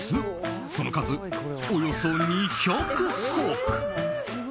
その数およそ２００足。